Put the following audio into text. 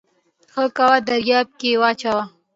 ښه کوه دریاب کې واچوه